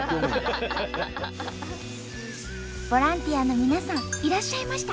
ボランティアの皆さんいらっしゃいました。